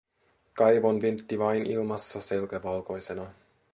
Kaivonvintti vain ilmassa selkä valkoisena.